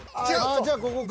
じゃあここか。